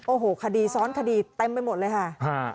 โอ้โหคดีซ้อนคดีเต็มไปหมดเลยค่ะ